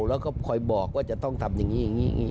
แล้วก็คอยบอกว่าจะต้องทำอย่างนี้อย่างนี้